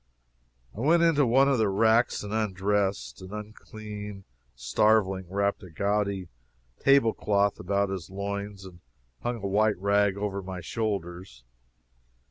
I went into one of the racks and undressed. An unclean starveling wrapped a gaudy table cloth about his loins, and hung a white rag over my shoulders.